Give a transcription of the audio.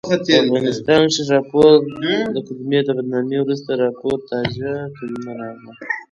په افغانستان کښي راپور له کلمې د بدنامي وروسته راپورتاژ کلیمه راغله.